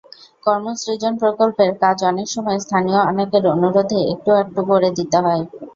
কর্মসৃজন প্রকল্পের কাজ অনেক সময় স্থানীয় অনেকের অনুরোধে একটু-আধটু করে দিতে হয়।